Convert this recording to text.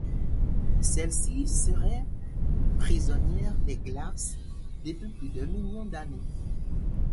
Celle-ci serait prisonnière des glaces depuis plus d'un million d'années.